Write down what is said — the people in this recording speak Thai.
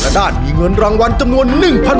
ครอบครัวของแม่ปุ้ยจังหวัดสะแก้วนะครับ